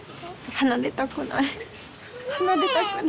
離れたくない。